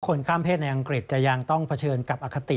คนข้ามเพศในอังกฤษจะยังต้องเผชิญกับอคติ